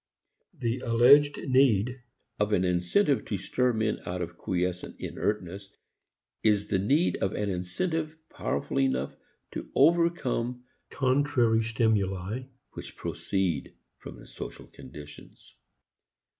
The alleged need of an incentive to stir men out of quiescent inertness is the need of an incentive powerful enough to overcome contrary stimuli which proceed from the social conditions.